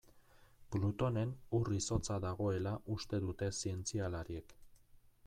Plutonen ur-izotza dagoela uste dute zientzialariek.